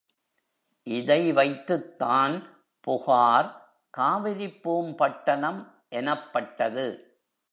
இதை வைத்துத்தான் புகார் காவிரிப்பூம்பட்டினம் எனப்பட்டது.